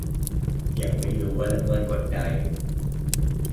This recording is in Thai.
ยังไม่รู้ว่าละเมิดกฎใด